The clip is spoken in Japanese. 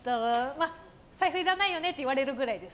財布いらないよねって言われるぐらいです。